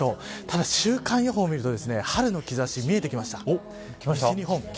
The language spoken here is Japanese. ただ週間予報を見ると春の兆しが見えてきました。